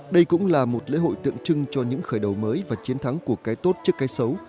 đây cũng là một lễ hội tượng trưng cho những khởi đầu mới và chiến thắng của cái tốt trước cái xấu